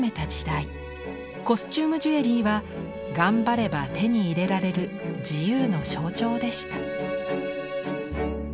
コスチュームジュエリーは頑張れば手に入れられる自由の象徴でした。